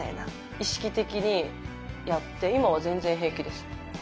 意識的にやって今は全然平気です。